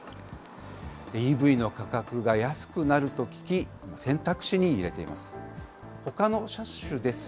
ＥＶの価格が安くなると聞き、選択肢に入れています。